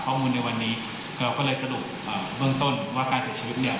ข้อมูลในวันนี้เราก็เลยสรุปเบื้องต้นว่าการเสียชีวิตเนี่ย